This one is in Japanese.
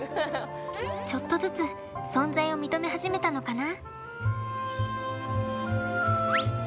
ちょっとずつ存在を認め始めたのかな？